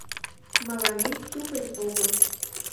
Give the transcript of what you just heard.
— Мыланем тупынь огыл.